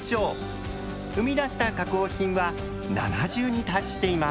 生み出した加工品は７０に達しています。